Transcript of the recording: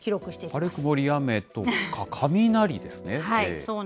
晴れ、曇り、雨とか雷ですね、これ。